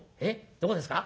どこですか？